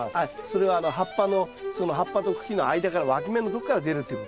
それは葉っぱのその葉っぱと茎の間からわき芽のとこから出るっていうことですね。